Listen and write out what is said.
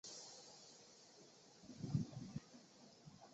凯特波。